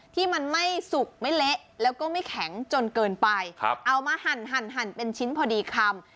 ที่มันไม่สุกไม่เละแล้วก็ไม่แข็งจนเกินไปเอามาหั่นเป็นชิ้นพอดีคำ